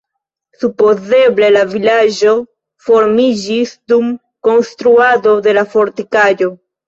Supozeble la vilaĝo formiĝis dum konstruado de la fortikaĵo.